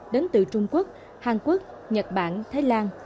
đến từ trung quốc hàn quốc nhật bản thái lan